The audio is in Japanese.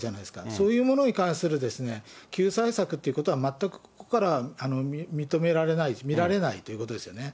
そういうものに関する救済策ということは全くここからは認められない、見られないということですよね。